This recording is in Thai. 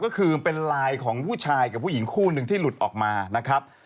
ก็คือเป็นไลน์ของผู้ชายกับผู้หญิงคู่หนึ่งที่หลุดออกมานะครับ